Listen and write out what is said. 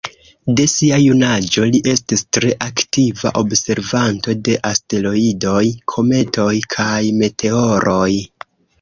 De sia junaĝo, li estis tre aktiva observanto de asteroidoj, kometoj, kaj meteoroj.